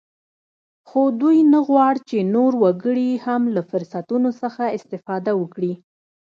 خو دوی نه غواړ چې نور وګړي هم له فرصتونو څخه استفاده وکړي